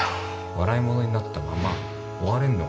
笑い者になったまま終われんのかよ？